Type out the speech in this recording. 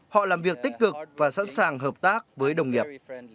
họ làm việc tích cực và sẵn sàng hợp tác với đồng nghiệp